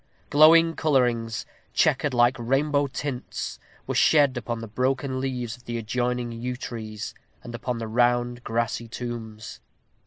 Glowing colorings, checkered like rainbow tints, were shed upon the broken leaves of the adjoining yew trees, and upon the rounded grassy tombs.